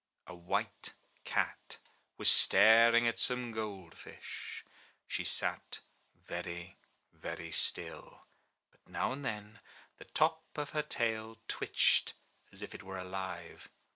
A white cat was staring at some gold fish; she sat very, very still, but now and then the tip of her tail twitched as if it were alive.